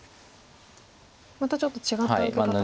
またちょっと違った受け方に。